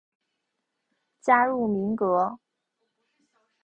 加入民革。